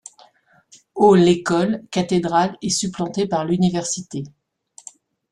Au l'école cathédrale est supplantée par l'université.